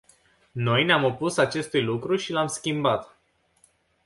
Noi ne-am opus acestui lucru și l-am schimbat.